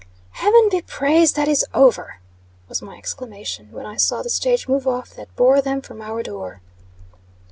"Heaven be praised, that is over!" was my exclamation, when I saw the stage move off that bore them from our door.